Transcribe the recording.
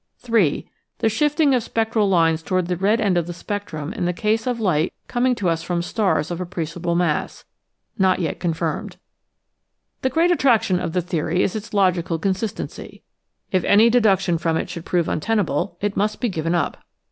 3. The shifting of spectral lines toward the red end of the spectrum in the case of light coming to us from stars of appreciable mass (not yet confirmed). The great attraction of the theory is its logical consis tency. If any deduction from it should prove untenable, it must be given up.